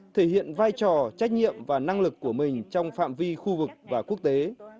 thể hiện vai trò trách nhiệm và năng lực của mình trong phạm vi khu vực và quốc tế